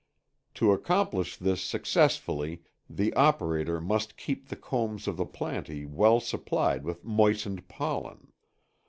To accomplish this successfully the operator must keep the combs of the plantæ well supplied with moistened pollen.